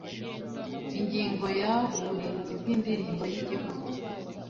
ingingo ya uburinzi bw indirimbo y igihugu